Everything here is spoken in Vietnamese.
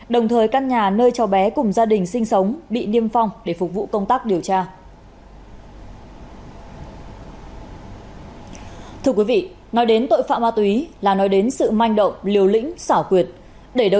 đồng thời căn nhà nơi cho bé cùng gia đình sinh sống bị niêm phong để phục vụ công tác điều tra